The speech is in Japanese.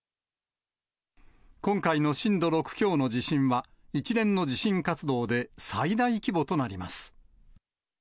今回の震度６強の地震は、一連の地震活動で最大規模となります。